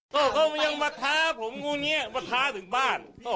ก็ก็มันยังมาท้าผมตรงนี้มาท้าถึงบ้าน